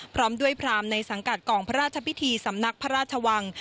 พร้อมด้วยพรามในสังกัดกองพระราชพิธีสำนักพระราชวัง